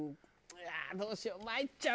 ああどうしよう。